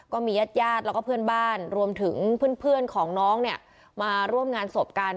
ก็มีญาติญาติแล้วก็เพื่อนบ้านรวมถึงเพื่อนของน้องเนี่ยมาร่วมงานศพกัน